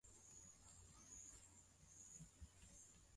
Muda mfupi baada ya kuwapeleka watoto wake wawili